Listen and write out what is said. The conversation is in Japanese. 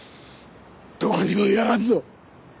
どこにもやらんぞ！